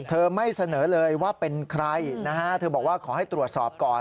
ไม่เสนอเลยว่าเป็นใครนะฮะเธอบอกว่าขอให้ตรวจสอบก่อน